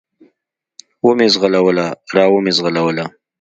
و مې زغلوله، را ومې زغلوله.